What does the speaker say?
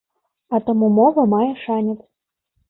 А таму мова мае шанец.